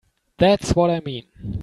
That's what I mean.